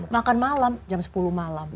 makan malam jam sepuluh malam